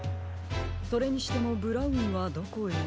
それにしてもブラウンはどこへ？